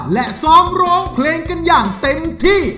และซ้อมร้องเพลงกันอย่างเต็มที่